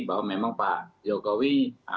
bahwa memang pak jokowi